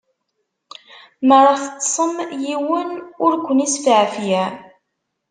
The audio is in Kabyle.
Mi ara teṭṭṣem, yiwen ur kwen-isfeɛfiɛ.